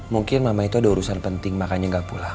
mungkin mama itu ada urusan penting makanya gak pulang